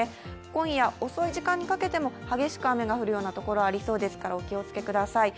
今夜遅い時間にかけても激しく降るところがありそうなので、お気をつけください。